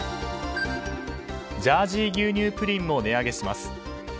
ジャージー牛乳プリンも値上げします。